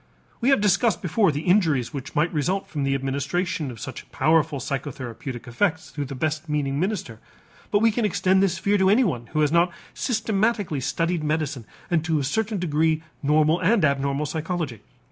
We have discussed before the injuries which might result from the administration of such powerful psychotherapeutic effects through the best meaning minister, but we can extend this fear to anyone who has not systematically studied medicine and to a certain degree normal and abnormal psychology.